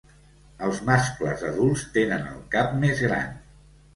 Els mascles adults tenen el cap més gran.